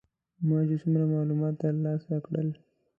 ما چې څومره معلومات تر لاسه کړل.